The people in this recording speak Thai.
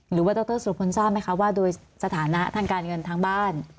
หรือว่าดรสุรพลทราบไหมคะว่าโดยสถานะทางการเงินทั้งบ้าน